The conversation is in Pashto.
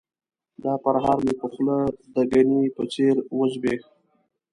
دا پرهار مې په خوله د ګني په څېر وزبیښ.